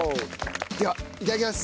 ではいただきます。